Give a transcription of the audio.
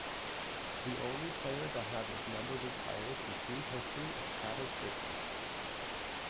The only player to have his number retired in team history is Travis Richards.